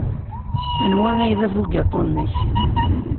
Anwa ay d abugaṭu-nnek?